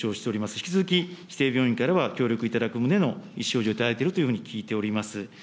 引き続き指定病院からは協力いただく旨の意思表示をいただいているというふうに聞いております。